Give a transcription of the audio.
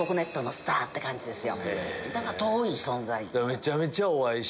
だから遠い存在。